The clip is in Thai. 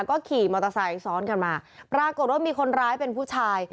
ก็ขี่มอเตอร์ไซค์ซ้อนกันมาปรากฏว่ามีคนร้ายเป็นผู้ชาย